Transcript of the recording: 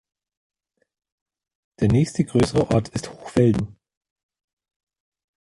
Der nächste größere Ort ist Hochfelden.